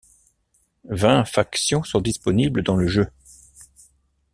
Vingt factions sont disponibles dans le jeu.